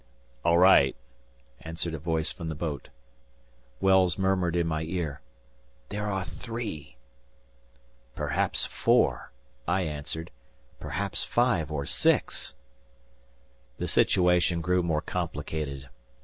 "All right," answered a voice from the boat. Wells murmured in my ear, "There are three!" "Perhaps four," I answered, "perhaps five or six!" The situation grew more complicated.